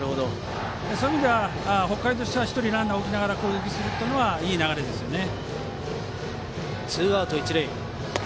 そういう意味では北海としては１人ランナーを置いて攻撃するのはいい流れですね。